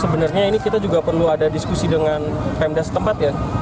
sebenarnya ini kita juga perlu ada diskusi dengan pemda setempat ya